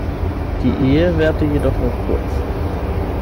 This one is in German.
Die Ehe währte jedoch nur kurz.